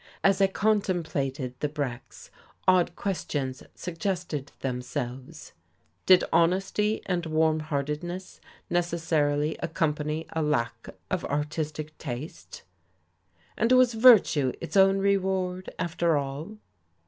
As I contemplated the Brecks odd questions suggested themselves: did honesty and warm heartedness necessarily accompany a lack of artistic taste? and was virtue its own reward, after all?